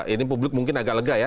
ini publik mungkin agak lega ya